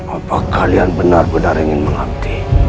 apa kalian benar benar ingin mengabdi